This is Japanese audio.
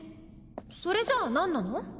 それじゃあ何なの？